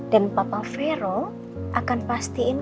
dan papa fero akan pastiin